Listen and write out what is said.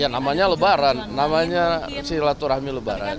yang namanya lebaran namanya silaturahmi lebaran